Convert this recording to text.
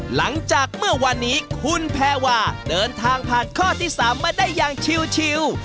หลังจากเมื่อวันนี้คุณแพรวาเดินทางผ่านข้อที่๓มาได้อย่างชิว